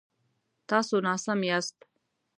تاسو ناسم یاست